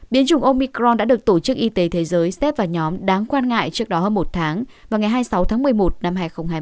biến chủng omicron đã được tổ chức y tế thế giới xếp vào nhóm đáng quan ngại trước đó hơn một tháng vào ngày hai mươi sáu tháng một mươi một năm hai nghìn hai mươi